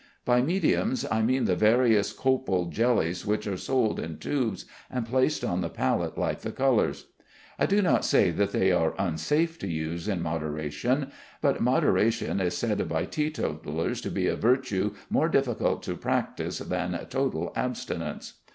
By mediums, I mean the various copal jellies which are sold in tubes, and placed on the palette like the colors. I do not say that they are unsafe to use in moderation, but moderation is said by teetotalers to be a virtue more difficult to practise than total abstinence.